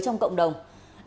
trong thời gian qua